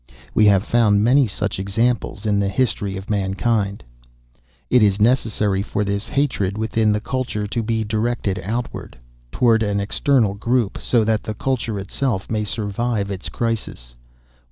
We have found many such examples in the history of mankind. "It is necessary for this hatred within the culture to be directed outward, toward an external group, so that the culture itself may survive its crisis.